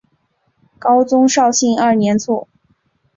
高宗绍兴二年卒。